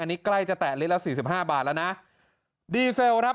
อันนี้ใกล้จะแตะลิตรละ๔๕บาทแล้วนะ